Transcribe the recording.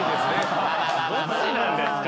どっちなんですか？